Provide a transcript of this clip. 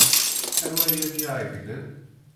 Anwa ay am-iɛeyynen?